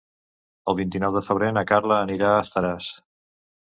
El vint-i-nou de febrer na Carla anirà a Estaràs.